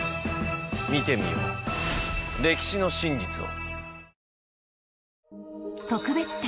見てみよう歴史の真実を。